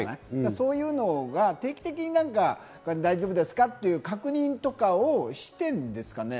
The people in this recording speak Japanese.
そういうのが定期的に大丈夫ですか？という確認とかをしているんですかね。